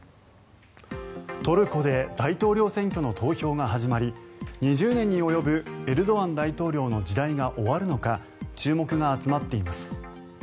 トルコで大統領選挙の投票が始まり２０年に及ぶエルドアン大統領の時代が終わるのか注目が集まっています。